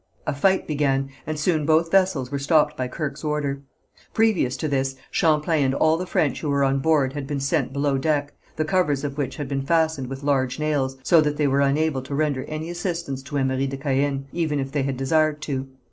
A fight began, and soon both vessels were stopped by Kirke's order. Previous to this, Champlain and all the French who were on board had been sent below deck, the covers of which had been fastened with large nails, so that they were unable to render any assistance to Emery de Caën, even if they had desired to.